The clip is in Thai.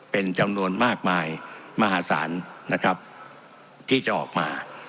เป็นจำนวนมากมายมหาศาลนะครับที่จะออกมา